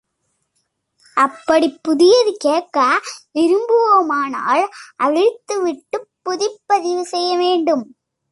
அப்படிப் புதியது கேட்க விரும்புவோமானால் அழித்து விட்டுப் புதுப்பதிவு செய்யவேண்டும்.